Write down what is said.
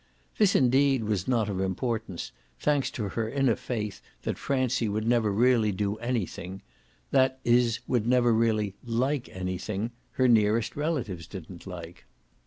This indeed was not of importance, thanks to her inner faith that Francie would never really do anything that is would never really like anything her nearest relatives didn't like.